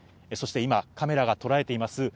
そして今、カメラがとらえています。